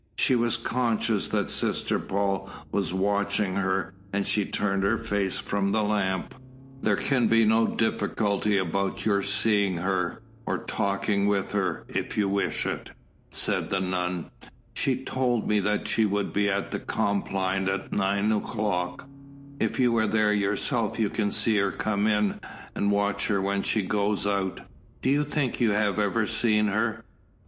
She was conscious that Sister Paul was watching her, and she turned her face from the lamp. "There can be no difficulty about your seeing her, or talking with her, if you wish it," said the nun. "She told me that she would be at Compline at nine o'clock. If you will be there yourself you can see her come in, and watch her when she goes out. Do you think you have ever seen her?"